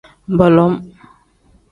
Bolom.